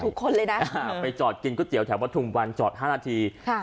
ทุกคนเลยน่ะอืมไปจอดกินก๋วยเตี๋ยวแถวบทุ่มวันจอดห้านาทีค่ะ